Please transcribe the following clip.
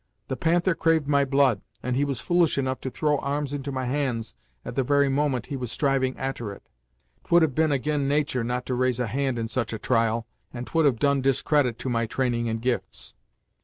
The Panther craved my blood, and he was foolish enough to throw arms into my hands, at the very moment he was striving a'ter it. 'Twould have been ag'in natur' not to raise a hand in such a trial, and 'twould have done discredit to my training and gifts.